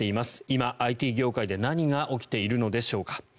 今、ＩＴ業界で何が起きているのでしょうか。